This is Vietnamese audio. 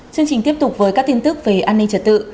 chương trình tiếp tục với các tin tức về an ninh trật tự